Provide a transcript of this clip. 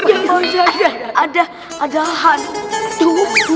ada ada hantu